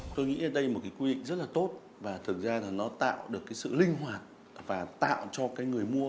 tôi nghĩ đây là một quy định rất tốt và thực ra nó tạo được sự linh hoạt và tạo cho người mua